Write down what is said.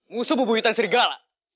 musuh bubuyutan serigala